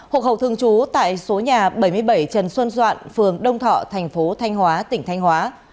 hộ khẩu thường trú tại số nhà bảy mươi bảy trần xuân doạn phường đông thọ thành phố thanh hóa tỉnh thanh hóa